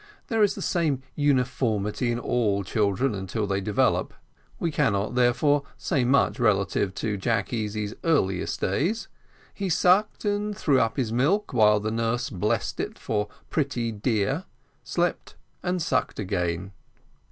There is the same uniformity in all children until they develop. We cannot, therefore, say much relative to Jack Easy's earliest days; he sucked and threw up his milk, while the nurse blessed it for a pretty dear, slept, and sucked again.